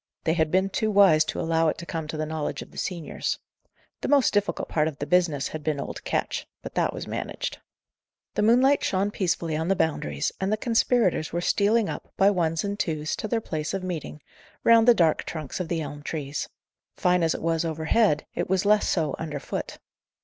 They had been too wise to allow it to come to the knowledge of the seniors. The most difficult part of the business had been old Ketch; but that was managed. The moonlight shone peacefully on the Boundaries, and the conspirators were stealing up, by ones and twos, to their place of meeting, round the dark trunks of the elm trees. Fine as it was overhead, it was less so under foot.